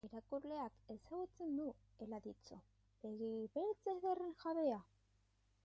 Irakurleak ezagutzen du Eladitxo, begi beltz ederren jabea.